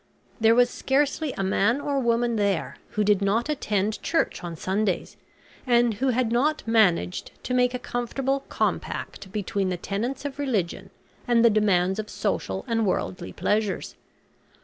There was scarcely a man or woman there who did not attend church on Sundays, and who had not managed to make a comfortable compact between the tenets of religion and the demands of social and worldly pleasures.